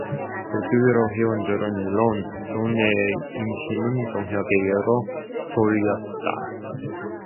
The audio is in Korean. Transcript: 그 뒤로 회원들은 물론 동네의 인심은 동혁에게로 쏠렸다.